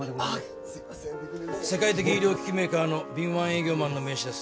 世界的医療機器メーカーの敏腕営業マンの名刺です